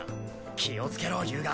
気をつけろ遊我。